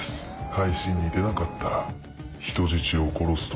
配信に出なかったら人質を殺すと。